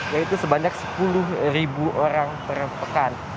yaitu sebanyak sepuluh orang per pekan